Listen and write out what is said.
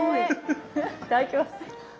いただきます。